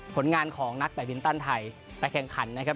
ผลงานของนักแบตบินตันไทยไปแข่งขันนะครับ